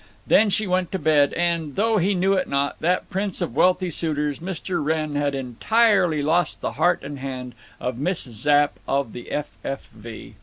Then she went to bed, and, though he knew it not, that prince of wealthy suitors, Mr. Wrenn, had entirely lost the heart and hand of Miss Zapp of the F. F. V.